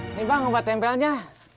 ini bang obat tempelnya